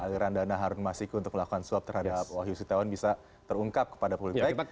aliran dana harun masiku untuk melakukan swab terhadap wahyu sitawan bisa terungkap kepada publik